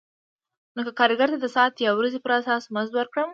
نو که کارګر ته د ساعت یا ورځې پر اساس مزد ورکړم